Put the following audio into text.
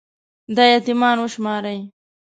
دا يـتـيـمـان وشمارئ